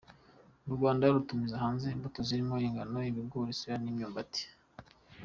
U Rwanda rutumiza hanze imbuto zirimo ingano, ibigori, soya n’imyumbati.